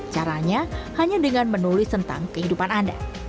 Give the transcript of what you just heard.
caranya hanya dengan menulis tentang kehidupan anda